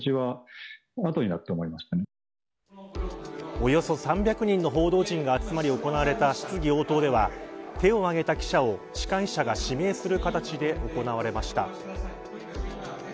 およそ３００人の報道陣が集まり行われた質疑応答では手を上げた記者を司会者が指名する形で行われました。